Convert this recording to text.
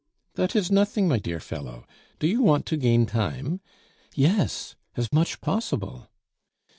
"That is nothing, my dear fellow. Do you want to gain time?" "Yes, as much possible."